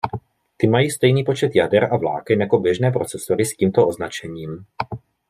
Ty mají stejný počet jader a vláken jako běžné procesory s tímto označením.